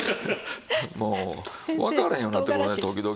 もうわからへんようになってくるね時々。